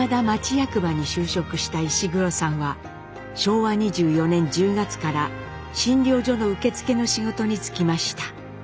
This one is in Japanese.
役場に就職した石黒さんは昭和２４年１０月から診療所の受付の仕事に就きました。